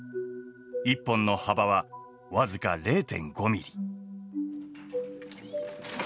１本の幅は僅か０．５ミリ。